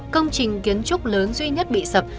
công trình kiến trúc lớn duy nhất bị sập